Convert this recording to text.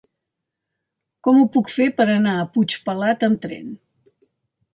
Com ho puc fer per anar a Puigpelat amb tren?